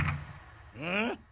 うん？